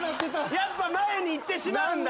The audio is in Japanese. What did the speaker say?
やっぱ前に行ってしまうんだ。